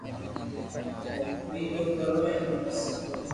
تنو ڪروہ ھي بس